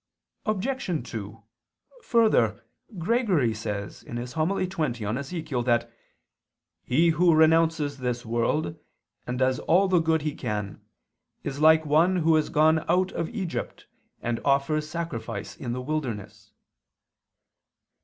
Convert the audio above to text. Obj. 2: Further, Gregory says (Hom. xx in Ezech.) that "he who renounces this world, and does all the good he can, is like one who has gone out of Egypt and offers sacrifice in the wilderness."